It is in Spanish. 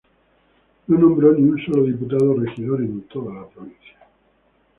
No nombró ni un sólo diputado o regidor en toda la provincia.